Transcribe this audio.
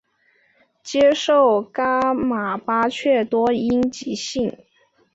接受噶玛巴却英多吉印信。